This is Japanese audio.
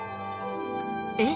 えっ？